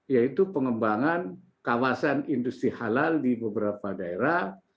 yaitu pengembangan kawasan industri halal di beberapa daerah